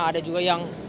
ada juga yang